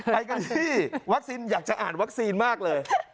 ไปกันที่วัคซีนอยากจะอ่านวัคซีนมากเลย